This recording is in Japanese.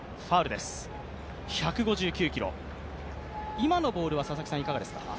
今のボールはいかがですか？